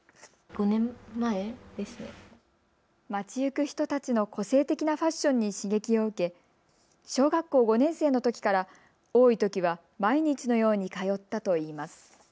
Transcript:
街行く人たちの個性的なファッションに刺激を受け小学校５年生のときから多いときは毎日のように通ったといいます。